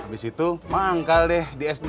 abis itu maangkal deh di sd